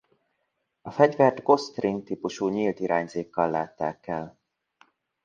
A fegyvert ghost ring típusú nyílt irányzékkal látták el.